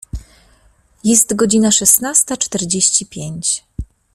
Jest godzina szesnasta czterdzieści pięć.